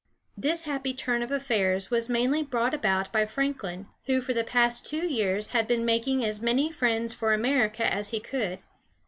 This happy turn of affairs was mainly brought about by Franklin, who for the past two years had been making as many friends for America as he could.